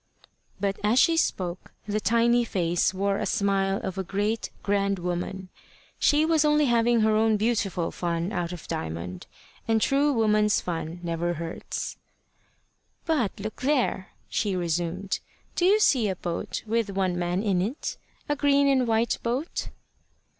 But as she spoke, the tiny face wore the smile of a great, grand woman. She was only having her own beautiful fun out of Diamond, and true woman's fun never hurts. "But look there!" she resumed. "Do you see a boat with one man in it a green and white boat?"